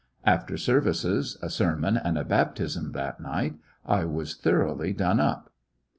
After services, a sermon, and a baptism that night, I was thoroughly done up.